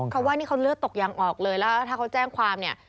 เขาว่านี่เขาเลือดตกยังออกเลยแล้วถ้าเขาแจ้งความเนี่ย